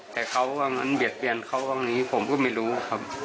แต่เขาก็บ้างงั้นเบียดเบียนเขาบ้างอย่างนี้ผมก็ไม่รู้ครับ